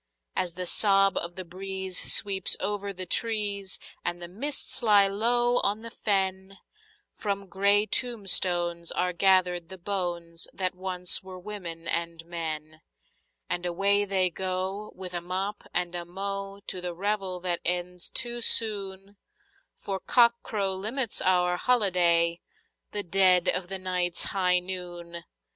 As the sob of the breeze sweeps over the trees, and the mists lie low on the fen, From grey tombstones are gathered the bones that once were women and men, And away they go, with a mop and a mow, to the revel that ends too soon, For cockcrow limits our holiday—the dead of the night's high noon!